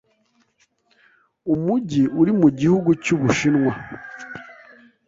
umujyi uri mu Gihugu cy’u Bushinwa,